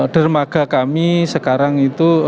dermaga kami sekarang itu